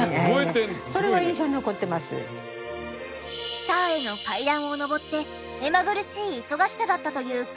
スターへの階段を上って目まぐるしい忙しさだったという黒木さん。